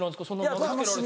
投げ付けられて。